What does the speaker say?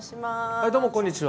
はいどうもこんにちは。